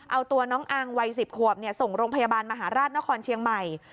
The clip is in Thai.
เอาตัวน้องอังวัย๑๐ขวบส่งโรงพยาบาลมหาราชนครเชียงใหม่